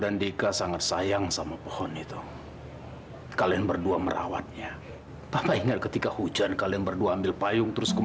nanti gua jalan